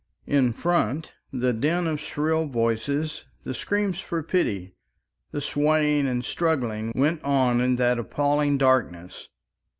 In front, the din of shrill voices, the screams for pity, the swaying and struggling, went on in that appalling darkness.